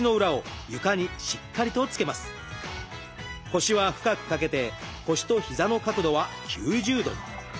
腰は深く掛けて腰と膝の角度は９０度。